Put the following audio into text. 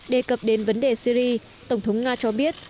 đề cập đến vấn đề syri tổng thống nga cho biết